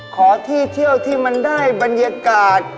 ขอที่เที่ยวที่มันได้บรรยากาศ